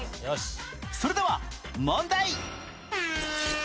それでは問題